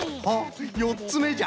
４つめじゃ。